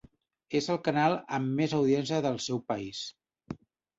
És el canal amb més audiència del seu país.